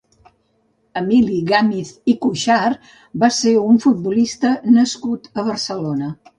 Emili Gàmiz i Cuixart va ser un futbolista nascut a Barcelona.